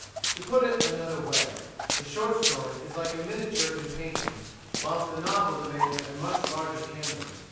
To put it another way: the short story is like a miniature in painting, whilst the novel demands a much larger canvas.